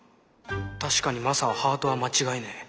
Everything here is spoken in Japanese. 確かにマサはハートは間違いねえ。